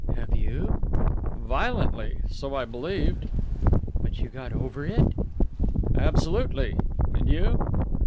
"Have you?" "Violently so I believed." "But you got over it?" "Absolutely! And you?"